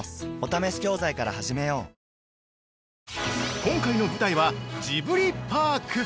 ◆今回の舞台はジブリパーク。